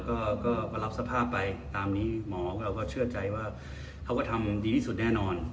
แต่ไม่เป็นไรเราก็รับสภาพไปตามนี้หมอก็เชื่อใจว่าเขาก็ทำดีที่สุดแน่นอน